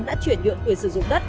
đã chuyển nhuận quyền sử dụng đất